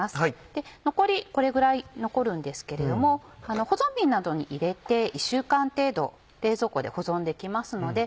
で残りこれぐらい残るんですけれども保存瓶などに入れて１週間程度冷蔵庫で保存できますので。